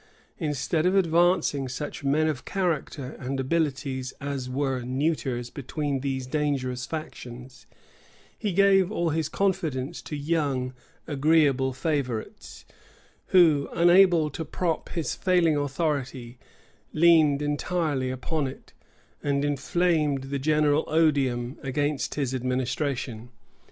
Instead of advancing such men of character and abilities as were neuters between these dangerous factions, he gave all his confidence to young, agreeable favorites, who, unable to prop his falling authority, leaned entirely upon it, and inflamed the general odium against his administration.